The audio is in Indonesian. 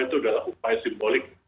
itu adalah upaya simbolik